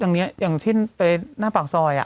อย่างเงี้ยอย่างที่ไปหน้าปากซอยอ่ะ